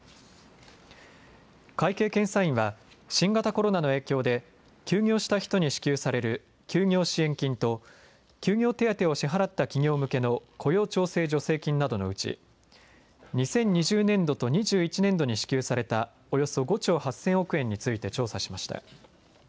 会計検査院は新型コロナの影響で休業した人に支給される休業支援金と休業手当を支払った企業向けの雇用調整助成金などのうち、２０２０年度と２１年度に支給されたおよそ５兆８０００億円について調査しました。